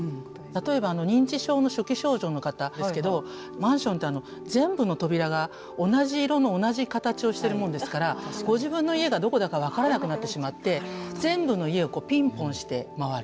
例えば認知症の初期症状の方ですけどマンションって全部の扉が同じ色の同じ形をしているもんですからご自分の家がどこだか分からなくなってしまって全部の家をピンポンして回る。